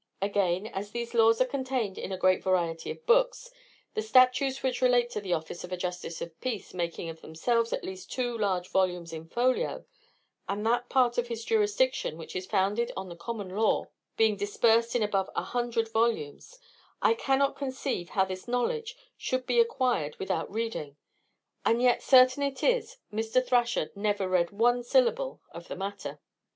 Again, as these laws are contained in a great variety of books, the statutes which relate to the office of a justice of peace making of themselves at least two large volumes in folio; and that part of his jurisdiction which is founded on the common law being dispersed in above a hundred volumes, I cannot conceive how this knowledge should by acquired without reading; and yet certain it is, Mr. Thrasher never read one syllable of the matter.